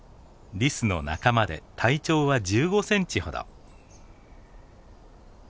リスの仲間で体長は１５センチほど。